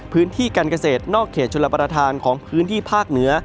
พื้นที่การเกษตรนอกเขตชนรับประทานของพื้นที่ภาคเหนือ